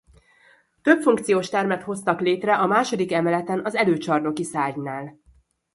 Többfunkciós termet hoztak létre a második emeleten az előcsarnoki szárnynál.